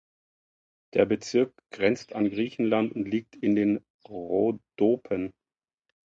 Der Bezirk grenzt an Griechenland und liegt in den Rhodopen.